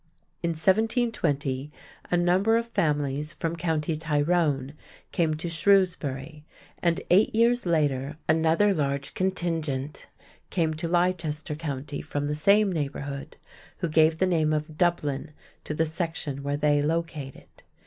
In 1720, a number of families from county Tyrone came to Shrewsbury, and eight years later another large contingent came to Leicester County from the same neighborhood, who gave the name of Dublin to the section where they located.